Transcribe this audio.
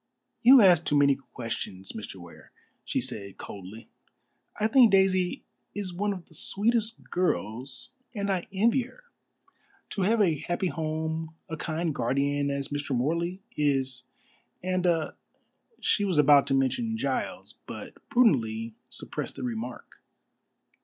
"You ask too many questions, Mr. Ware," she said coldly. "I think Daisy is one of the sweetest of girls, and I envy her. To have a happy home, a kind guardian as Mr. Morley is, and a " She was about to mention Giles, but prudently suppressed the remark.